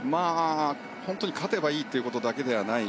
勝てばいいということだけではない。